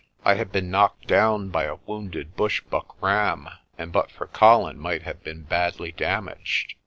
I have been knocked down by a wounded bush buck ram, and but for Colin might have been badly damaged.